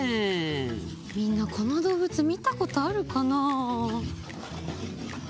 みんなこのどうぶつみたことあるかな？